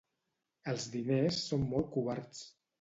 Els diners són molt covards.